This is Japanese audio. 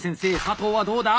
佐藤はどうだ？